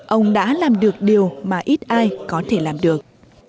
ông đã làm được điều mà ít ai có thể làm được